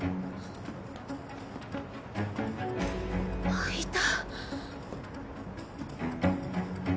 あっいた。